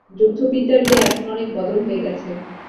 যুদ্ধবিদ্যার যে এখন অনেক বদল হয়ে গেছে।